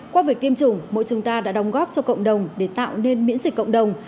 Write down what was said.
qua việc tiêm chủng mỗi chúng ta đã đóng góp cho cộng đồng để tạo nên miễn dịch cộng đồng